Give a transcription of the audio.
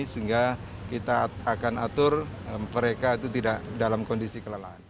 sehingga kita akan atur mereka itu tidak dalam kondisi kelelahan